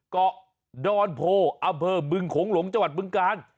ก็ดอลโภล์อัพเมอร์บึงโขงหลงจบึงการ